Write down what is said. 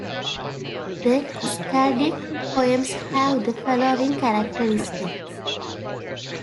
The skaldic poems have the following characteristics.